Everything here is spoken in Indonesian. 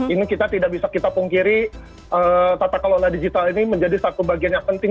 ini kita tidak bisa kita pungkiri tata kelola digital ini menjadi satu bagian yang penting